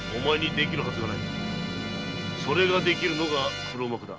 それが出来るのが黒幕だ。